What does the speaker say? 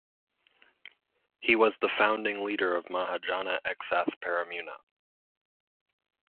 He was the founding leader of Mahajana Eksath Peramuna.